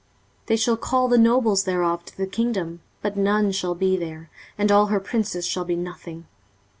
23:034:012 They shall call the nobles thereof to the kingdom, but none shall be there, and all her princes shall be nothing.